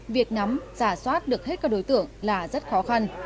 việc nắm giả soát được hết các đối tượng là rất khó khăn